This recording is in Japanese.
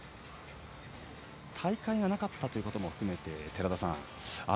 大会がなかったということも含めて、寺田さん